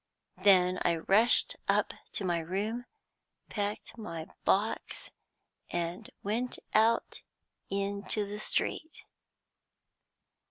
Then I rushed up to my room, packed my box, and went out into the street.